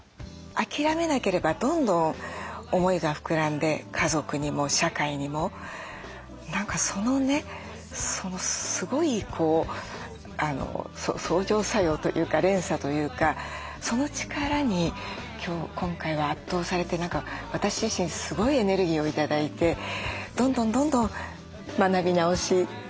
諦めなければどんどん思いが膨らんで家族にも社会にも何かそのねすごい相乗作用というか連鎖というかその力に今回は圧倒されて私自身すごいエネルギーを頂いてどんどんどんどん学び直していきたいなと。